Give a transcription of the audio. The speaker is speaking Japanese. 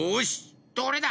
どれだ？